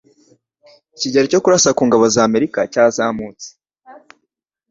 ikigero cyo kurasa ku ngabo z'Amerika cyazamutse